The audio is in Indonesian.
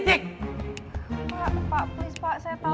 tidak pak please pak saya tahu